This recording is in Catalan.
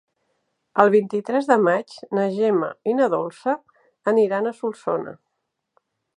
El vint-i-tres de maig na Gemma i na Dolça aniran a Solsona.